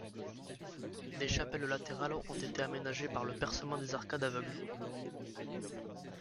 Des chapelles latérales ont été aménagées par le percement des arcades aveugles.